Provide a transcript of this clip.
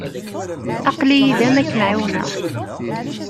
Aql-i yid-m ad kem-ɛiwneɣ.